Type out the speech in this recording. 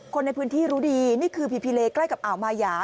คนในพื้นที่รู้ดีนี่คือพีพีเลใกล้กับอ่าวมายา